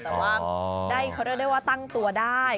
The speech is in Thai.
แต่ว่าเขาเรียกได้ว่าตั้งตัวได้